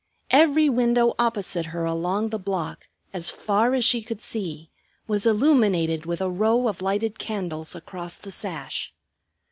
Every window opposite her along the block, as far as she could see, was illuminated with a row of lighted candles across the sash.